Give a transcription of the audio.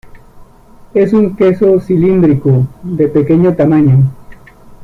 Es un queso cilíndrico, de pequeño tamaño.